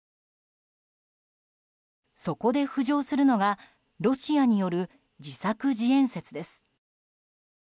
そこで浮上するのがロシアによる自作自演説です。